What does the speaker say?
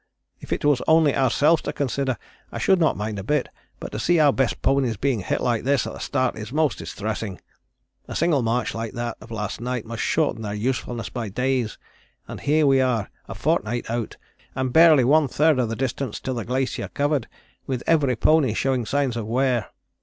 If it was only ourselves to consider I should not mind a bit, but to see our best ponies being hit like this at the start is most distressing. A single march like that of last night must shorten their usefulness by days, and here we are a fortnight out, and barely one third of the distance to the glacier covered, with every pony showing signs of wear.